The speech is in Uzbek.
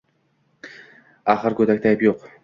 axir go`dakda ayb yo`q